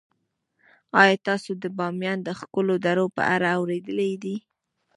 آیا تاسو د بامیان د ښکلو درو په اړه اوریدلي دي؟